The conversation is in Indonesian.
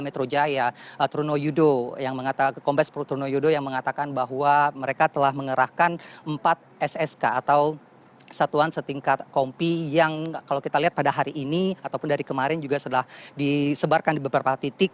metro jaya truno yudo kompes protruno yudo yang mengatakan bahwa mereka telah mengerahkan empat ssk atau satuan setingkat kompi yang kalau kita lihat pada hari ini ataupun dari kemarin juga sudah disebarkan di beberapa titik